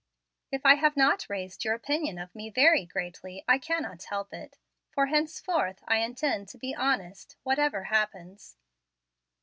If I have not raised your opinion of me very greatly, I cannot help it, for henceforth I intend to be honest, whatever happens."